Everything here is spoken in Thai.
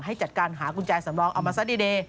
ให้จัดการหากุญแจสำรองเอามาซะดี